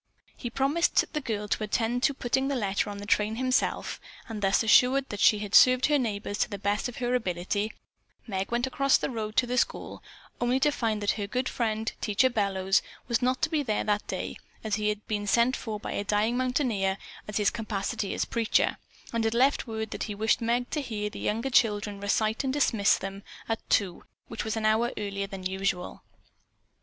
He promised the girl to attend to putting the letter on the train himself, and thus assured that she had served her neighbors to the best of her ability, Meg went across the road to the school, only to find that her good friend, Teacher Bellows, was not to be there that day as he had been sent for by a dying mountaineer in his capacity as preacher, and had left word that he wished Meg to hear the younger children recite, and dismiss them at two, which was an hour earlier than usual.